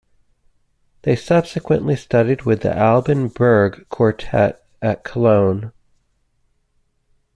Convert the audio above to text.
They subsequently studied with the Alban Berg Quartet at Cologne.